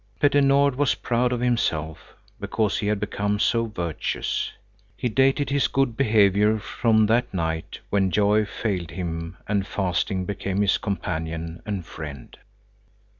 Petter Nord was proud of himself because he had become so virtuous. He dated his good behavior from that night when Joy failed him and Fasting became his companion and friend.